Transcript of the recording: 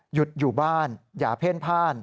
หยุดอยู่บ้านอย่าเพ่นพ่าน